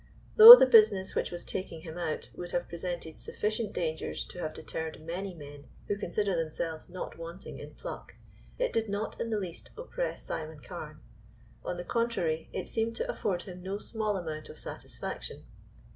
Though the business which was taking him out would have presented sufficient dangers to have deterred many men who consider themselves not wanting in pluck, it did not in the least oppress Simon Carne; on the contrary, it seemed to afford him no small amount of satisfaction.